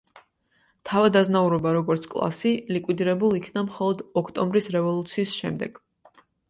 თავადაზნაურობა, როგორც კლასი, ლიკვიდირებულ იქნა მხოლოდ ოქტომბრის რევოლუციის შემდეგ.